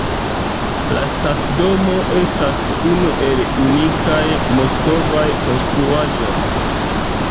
La stacidomo estas unu el unikaj moskvaj konstruaĵoj.